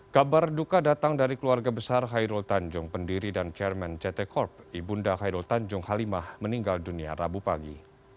kabar duka datang dari keluarga besar khairul tanjung pendiri dan chairman ct corp ibunda khairul tanjung halimah meninggal dunia rabu pagi